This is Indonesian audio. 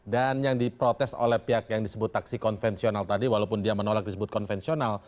dan yang diprotes oleh pihak yang disebut taksi konvensional tadi walaupun dia menolak disebut konvensional